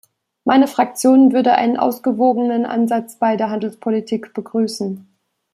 Meine Fraktion würde einen ausgewogenen Ansatz bei der Handelspolitik begrüßen.